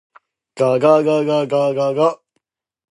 ががががががが。